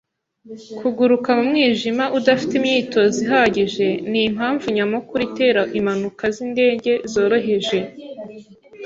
Kuguruka mu mwijima udafite imyitozo ihagije nimpamvu nyamukuru itera impanuka zindege zoroheje.